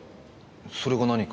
それが何か？